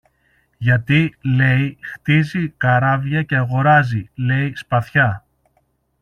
γιατί, λέει, χτίζει καράβια και αγοράζει, λέει, σπαθιά